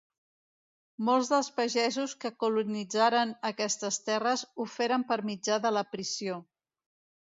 Molts dels pagesos que colonitzaren aquestes terres ho feren per mitjà de l'aprisió.